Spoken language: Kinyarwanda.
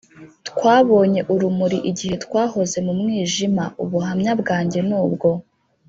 twabonye urumuri igihe twahoze mumwijima, ubuhamya bwanjye nubwo